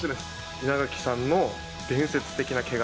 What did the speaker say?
稲垣さんの伝説的なけが。